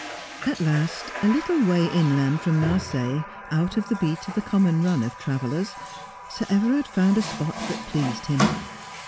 At last, a little way inland from Marseilles, out of the beat of the common run of travellers, Sir Everard found a spot that pleased him.